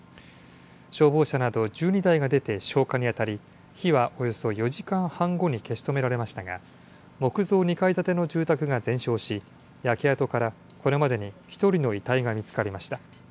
消防車など１２台が出て消火に当たり、火はおよそ４時間半後に消し止められましたが、木造２階建ての住宅が全焼し、焼け跡からこれまでに１人の遺体が見つかりました。